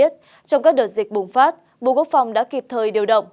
trong các đợt dịch bùng phát bộ quốc phòng đã kịp thời điều động